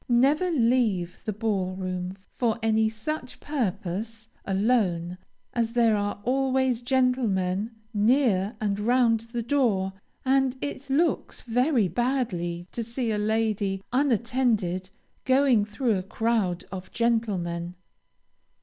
Never leave the ball room, for any such purpose, alone, as there are always gentlemen near and round the door, and it looks very badly to see a lady, unattended, going through a crowd of gentlemen.